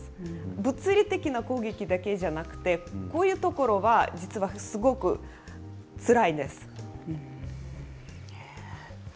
物理的な攻撃だけじゃなくってこういうところは実はすごくつらいです。